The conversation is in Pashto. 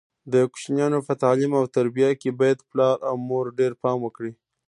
د کوچنیانو په تعلیم او تربیه کې باید پلار او مور ډېر پام وکړي.